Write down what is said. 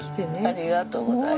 ありがとうございます。